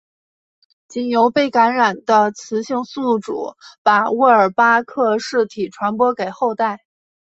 仅由被感染的雌性宿主把沃尔巴克氏体传播给后代。